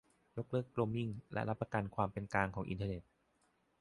ยกเลิกโรมมิง และรับประกันความเป็นกลางของอินเทอร์เน็ต